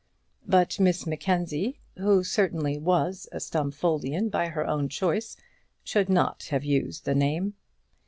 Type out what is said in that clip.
But Miss Mackenzie, who certainly was a Stumfoldian by her own choice, should not have used the name.